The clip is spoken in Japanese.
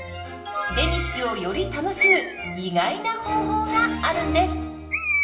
デニッシュをより楽しむ意外な方法があるんです。